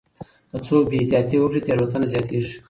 که څوک بې احتياطي وکړي تېروتنه زياتيږي.